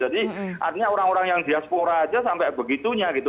jadi artinya orang orang yang diaspora aja sampai begitunya gitu